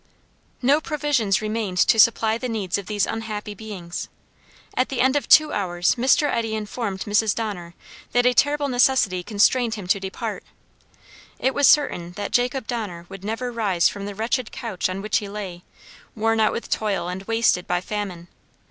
No provisions remained to supply the needs of these unhappy beings. At the end of two hours Mr. Eddy informed Mrs. Donner that a terrible necessity constrained him to depart. It was certain that Jacob Donner would never rise from the wretched couch on which he lay, worn out with toil and wasted by famine.